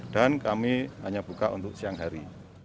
dan kami hanya buka untuk siang hari